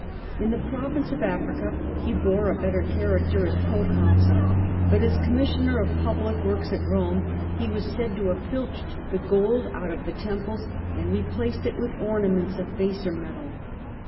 In the province of Africa he bore a better character as proconsul, but as commissioner of public works at Rome he was said to have filched the gold out of the temples and replaced it with ornaments of baser metal.